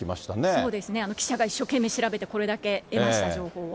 そうですね、記者が一生懸命調べて、これだけ得ました、情報を。